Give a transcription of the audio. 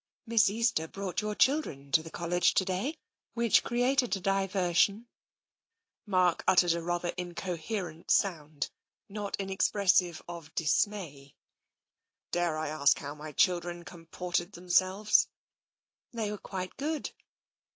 Miss Easter brought your children to the College to day, which created a diversion." TENSION 107 Mark uttered a rather incoherent sound, not inex pressive of dismay. " Dare I ask how my children comported them selves ?"" They were quite good."